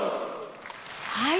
はい。